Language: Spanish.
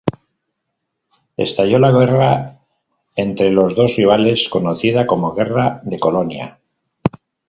Estalló la guerra entre los dos rivales: conocida como guerra de Colonia.